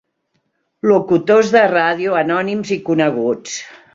Locutors de ràdio anònims i coneguts.